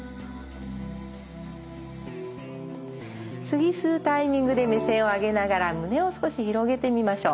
次吸うタイミングで目線を上げながら胸を少し広げてみましょう。